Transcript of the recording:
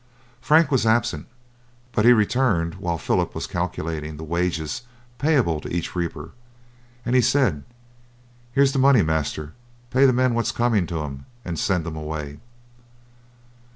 Frank was absent, but he returned while Philip was calculating the wages payable to each reaper, and he said: "Here's the money, master; pay the men what's coming to 'em and send 'em away."